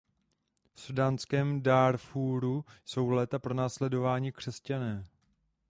V súdánském Dárfúru jsou léta pronásledováni křesťané.